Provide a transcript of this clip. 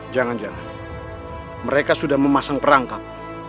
jangan jangan mereka sudah memasang perangkap